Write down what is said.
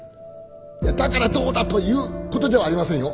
だからどうだということではありませんよ。